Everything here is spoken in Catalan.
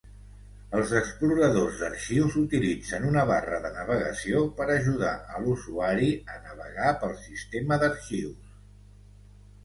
Els exploradors d"arxius utilitzen una barra de navegació per ajudar a l"usuari a navegar pel sistema d"arxius.